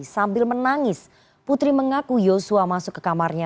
sambil menangis putri mengaku yosua masuk ke kamarnya